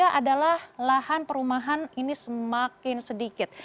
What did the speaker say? yang ketiga adalah lahan perumahan ini semakin sedikit